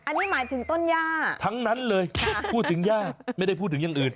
อันนี้หมายถึงต้นย่าทั้งนั้นเลยพูดถึงย่าไม่ได้พูดถึงอย่างอื่น